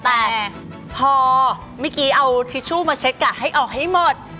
แต่พอเมื่อกี้เอาทิชชู่มาเช็คให้ออกให้หมด